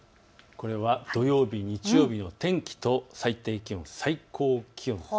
これは土曜日、日曜日の天気と最低気温、最高気温です。